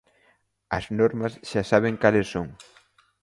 As normas xa saben cales son.